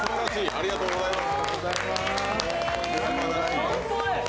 ありがとうございます！